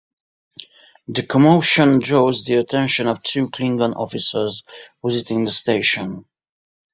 The commotion draws the attention of two Klingon officers visiting the station.